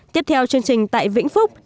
tiếp theo chương trình tại vĩnh phúc